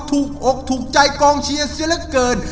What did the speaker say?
ถูกอกถูกใจกองเชียร์เสียเหลือเกิน